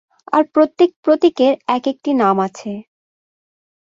আর প্রত্যেক প্রতীকের এক-একটি নাম আছে।